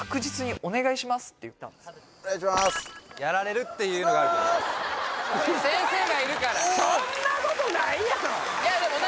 「お願いします」やられるっていうのがあるから先生がいるからそんなことないやろでもね